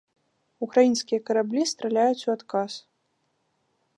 Украінскія караблі страляюць у адказ.